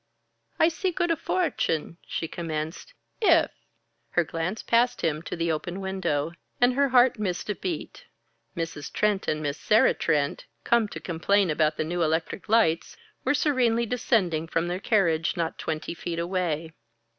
"I see good a fortune," she commenced, "if " Her glance passed him to the open window, and her heart missed a beat. Mrs. Trent and Miss Sarah Trent, come to complain about the new electric lights, were serenely descending from their carriage, not twenty feet away.